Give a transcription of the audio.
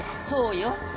そうよ。